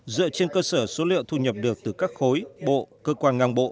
dựa trên cơ sở số liệu thu nhập được từ các khối bộ cơ quan ngang bộ